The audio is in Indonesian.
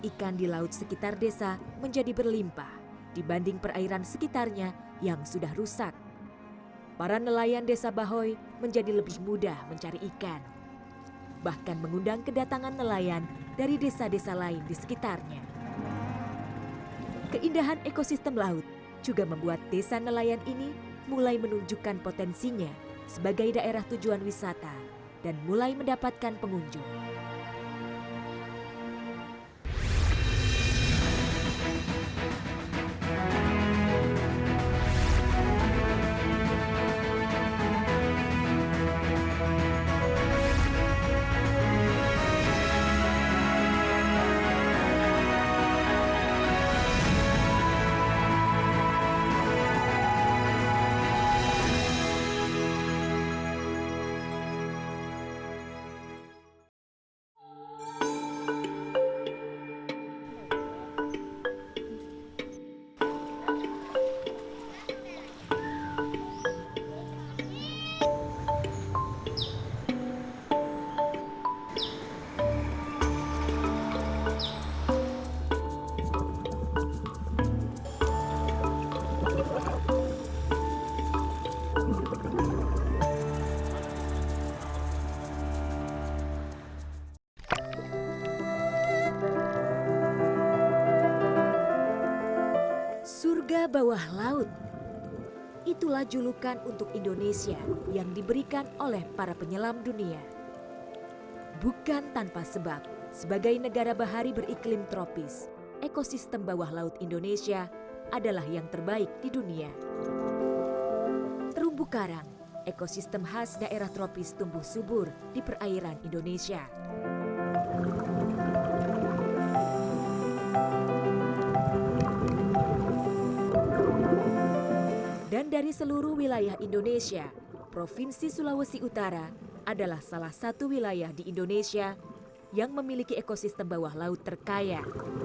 indonesia provinsi sulawesi utara adalah salah satu wilayah di indonesia yang memiliki ekosistem bawah laut terkaya